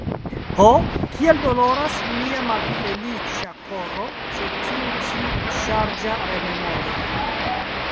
Ho, kiel doloras mia malfeliĉa koro ĉe tiu ĉi ŝarĝa rememoro!